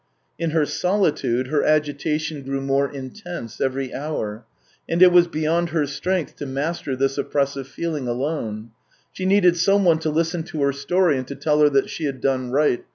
..." In her solitude her agitation grew more intense every hour, and it was beyond her strength to master this oppressive feeling alone. She needed someone to listen to her story and to tell her that she had done right.